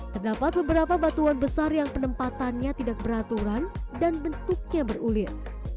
terdapat beberapa batuan besar yang penempatannya tidak beraturan dan bentuknya berulir